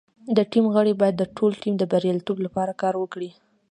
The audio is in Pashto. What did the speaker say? د ټیم غړي باید د ټول ټیم د بریالیتوب لپاره کار وکړي.